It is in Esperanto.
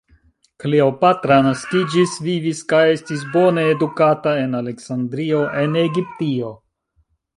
Kleopatra naskiĝis, vivis kaj estis bone edukata en Aleksandrio en Egiptio.